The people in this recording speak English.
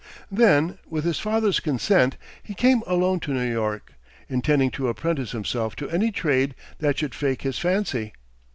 Then, with his father's consent, he came alone to New York, intending to apprentice himself to any trade that should fake his fancy.